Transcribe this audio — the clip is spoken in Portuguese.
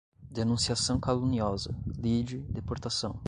denunciação caluniosa, lide, deportação